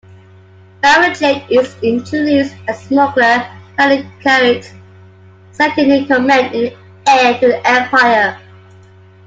Mara Jade is introduced as smuggler Talon Karrde's second-in-command in "Heir to the Empire".